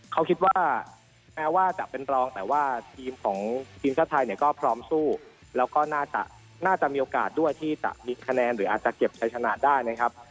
เขาคิดว่าแม้ว่าจะเป็นรองแต่ว่าทีมของทีมชาติไทยเนี่ยก็พร้อมสู้แล้วก็น่าจะมีโอกาสด้วยที่จะมีคะแนนหรืออาจจะเก็บใช้ชนะได้นะครับ